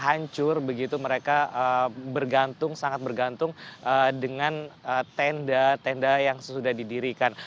hancur begitu mereka bergantung sangat bergantung dengan tenda tenda yang sudah didirikan